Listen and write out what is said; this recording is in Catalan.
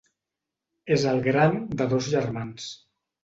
És el gran de dos germans: